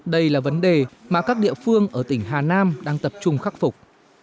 đây là vấn đề mà các địa phương ở tỉnh hà nam đang tập trung khắc phục